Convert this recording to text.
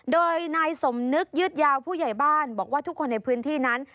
โดยนายสมนึกยืดยาวผู้ใหญ่บ้านบอกว่าทุกคนในพื้นที่นั้น